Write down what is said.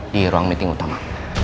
di ruang meeting utama